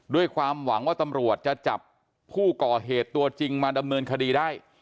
ด้วยความหวังว่าตำรวจจะจับผู้ก่อเหตุตัวจริงมาดำเนินคดีได้